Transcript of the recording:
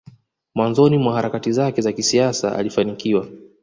mwanzoni mwa harakati zake za kisiasa alifanikiwa